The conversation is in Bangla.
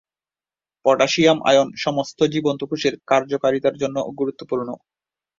পটাশিয়াম আয়ন সমস্ত জীবন্ত কোষের কার্যকারিতার জন্য গুরুত্বপূর্ণ।